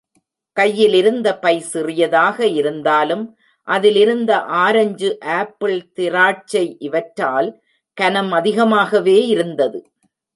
கையிலிருந்த பை சிறியதாக இருந்தாலும் அதிலிருந்த ஆரஞ்சு ஆப்பிள், திராட்சை இவற்றால் கனம் அதிகமாகவே இருந்தது.